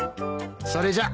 それじゃ。